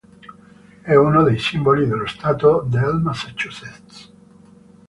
È uno dei simboli dello stato del Massachusetts.